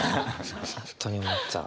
本当に思っちゃう。